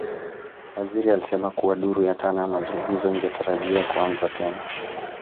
Waziri alisema kuwa duru ya tano ya mazungumzo ingetarajiwa kuanza tena